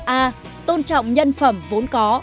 a tôn trọng nhân phẩm vốn có